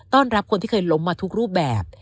รับคนที่เคยล้มมาทุกรูปแบบ